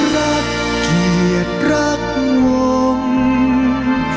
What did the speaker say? รักเกียจรักมง